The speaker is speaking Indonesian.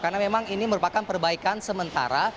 karena memang ini merupakan perbaikan sementara